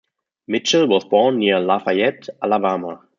Mitchell was born near Lafayette, Alabama.